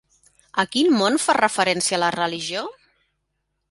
A quin món fa referència la religió?